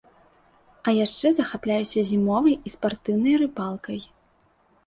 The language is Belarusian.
А яшчэ захапляюся зімовай і спартыўнай рыбалкай.